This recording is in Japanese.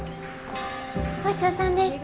ごちそうさんでした。